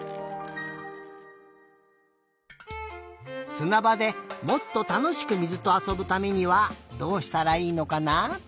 すなばでもっとたのしく水とあそぶためにはどうしたらいいのかな？